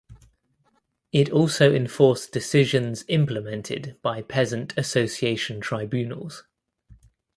It also enforced decisions implemented by peasant association tribunals.